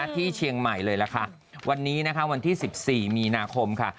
ที่เชียงใหม่เลยล่ะค่ะวันนี้นะคะวันที่๑๔มีนาคมค่ะ